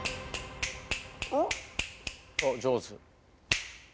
おっ上手。